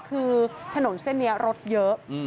คือถนนเส้นนี้รถเยอะ